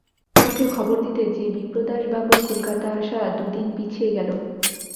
তোমাকে খবর দিতে যে বিপ্রদাসবাবুর কলকাতা আসা দুদিন পিছিয়ে গেল।